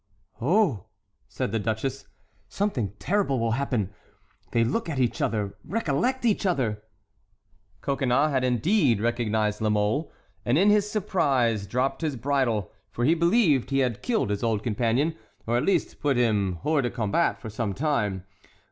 "Oh," said the duchess, "something terrible will happen! they look at each other—recollect each other!" Coconnas had indeed recognized La Mole, and in his surprise dropped his bridle, for he believed he had killed his old companion, or at least put him hors de combat for some time.